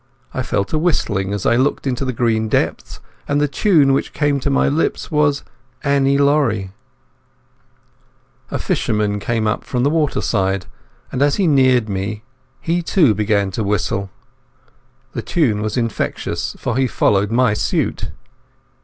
I fell to whistling as I looked into the green depths, and the tune which came to my lips was "Annie Laurie". A fisherman came up from the waterside, and as he neared me he too began to whistle. The tune was infectious, for he followed my suit.